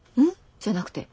じゃなくて。